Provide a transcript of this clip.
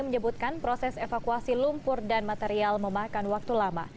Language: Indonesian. menyebutkan proses evakuasi lumpur dan material memakan waktu lama